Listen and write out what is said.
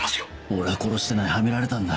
俺は殺してないハメられたんだ。